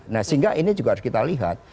nah sehingga ini juga harus kita lihat